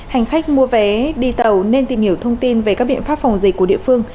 hành khách mua vé đi tàu nên tìm hiểu thông tin về các biện pháp phòng dịch của địa phương